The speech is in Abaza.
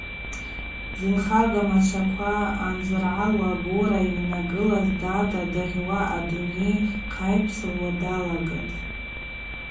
Зынхагамачваква анзыргӏалуа абора йыгӏвнагылаз, дада дыгъьуа, адунай хъайпсалуа далагатӏ.